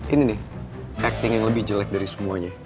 ini nih acting yang lebih jelek dari semuanya